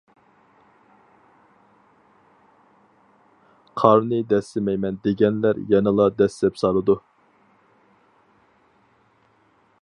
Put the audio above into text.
قارنى دەسسىمەيمەن دېگەنلەر يەنىلا دەسسەپ سالىدۇ.